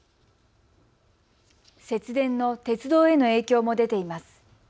節電の鉄道への影響も出ています。